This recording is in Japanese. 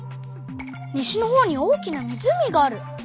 西のほうに大きな湖がある！